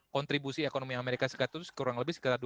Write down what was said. kontribusi ekonomi amerika serikat itu kurang lebih lebih jauh